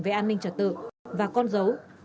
về an ninh trật tự và con dấu